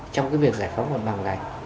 trong cái việc giải phóng vật bằng này